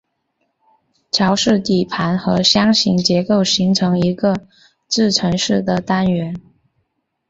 桥式底盘和箱形结构形成一个自承式的单元。